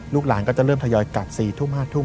หลานก็จะเริ่มทยอยกลับ๔ทุ่ม๕ทุ่ม